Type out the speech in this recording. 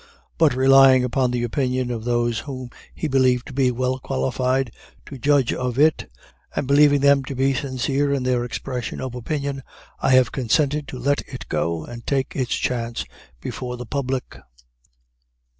But relying upon the opinion of those whom he believed to be well qualified to judge of it, and believing them to be sincere in their expression of opinion, I have consented to let it go and take its chance before the public.